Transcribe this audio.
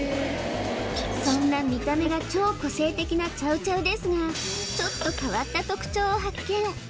そんな見た目が超個性的なチャウ・チャウですがちょっと変わった特徴を発見